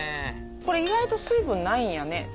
これ意外と水分ないんやね。